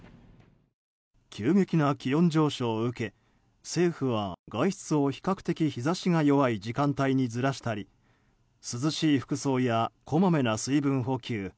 急激な気温上昇を受け政府は外出を比較的日差しが弱い時間帯に控えたり涼しい服装やこまめな水分補給